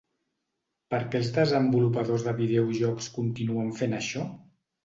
Per què els desenvolupadors de videojocs continuen fent això?